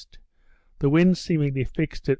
the wind seemingly fixed at W.